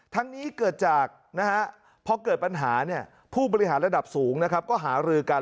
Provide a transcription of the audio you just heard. ทั้งนี้เกิดจากพอเกิดปัญหาผู้บริหารระดับสูงก็หาลือกัน